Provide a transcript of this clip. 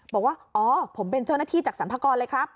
บอกว่าอ๋อผมเป็นเจ้าหน้าที่จากสรรพากรเลยครับ